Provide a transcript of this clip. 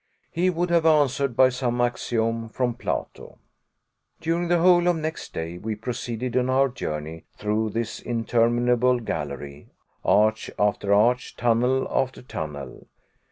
He would have answered by some axiom from Plato. During the whole of next day we proceeded on our journey through this interminable gallery, arch after arch, tunnel after tunnel.